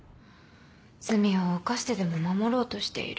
罪を犯してでも守ろうとしている。